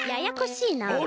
ややこしいな。